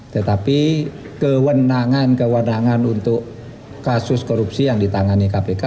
tetapi kewenangan kewenangan untuk kasus korupsi yang ditangani kpk